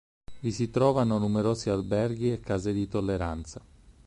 Vi si trovavano numerosi alberghi e case di tolleranza.